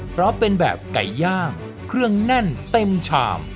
เพราะเป็นแบบไก่ย่างเครื่องแน่นเต็มชาม